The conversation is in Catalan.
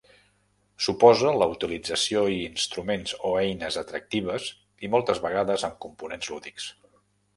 Suposa la utilització i instruments o eines atractives i moltes vegades amb components lúdics.